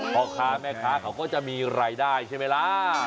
พ่อค้าแม่ค้าเขาก็จะมีรายได้ใช่ไหมล่ะ